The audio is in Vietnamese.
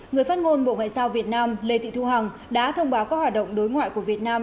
người phát ngôn bộ ngoại giao việt nam lê thị thu hằng đã thông báo các hoạt động đối ngoại của việt nam